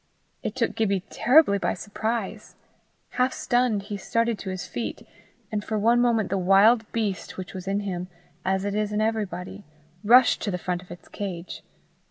It took Gibbie terribly by surprise. Half stunned, he started to his feet, and for one moment the wild beast which was in him, as it is in everybody, rushed to the front of its cage.